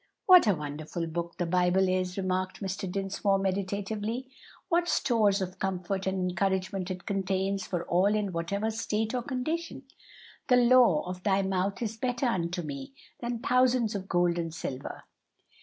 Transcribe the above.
'" "What a wonderful book the Bible is!" remarked Mr. Dinsmore meditatively; "what stores of comfort and encouragement it contains for all in whatever state or condition! 'The law of thy mouth is better unto me than thousands of gold and silver.'"